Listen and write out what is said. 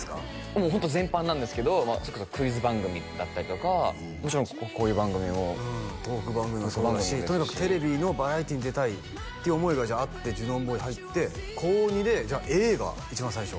もうホント全般なんですけどそれこそクイズ番組だったりとかもちろんこういう番組もうんトーク番組もそうだしとにかくテレビのバラエティーに出たいっていう思いがじゃああってジュノンボーイ入って高２でじゃあ映画一番最初？